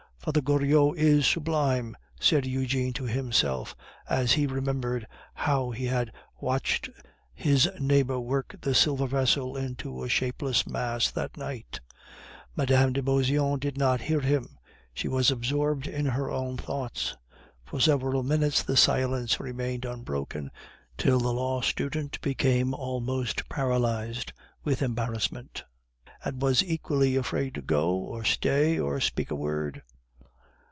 "Father Goriot is sublime!" said Eugene to himself, as he remembered how he had watched his neighbor work the silver vessel into a shapeless mass that night. Mme. de Beauseant did not hear him; she was absorbed in her own thoughts. For several minutes the silence remained unbroken till the law student became almost paralyzed with embarrassment, and was equally afraid to go or stay or speak a word.